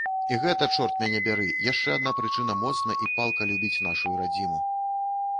І гэта, чорт мяне бяры, яшчэ адна прычына моцна і палка любіць нашую радзіму!